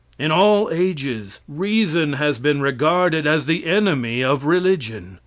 In all ages reason has been regarded as the enemy of religion.